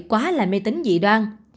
quá là mê tính dị đoan